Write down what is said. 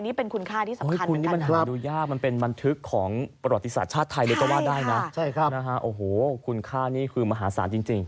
นี่เป็นคุณค่าที่สำคัญเหมือนกันนะครับโอ้โฮคุณค่านี่คือมหาศาลจริง